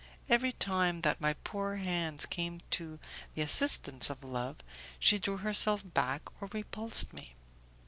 Every time that my poor hands came to the assistance of love, she drew herself back or repulsed me.